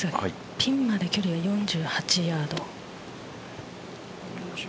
ピンまで距離は４８ヤード。